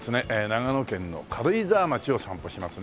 長野県の軽井沢町を散歩しますね。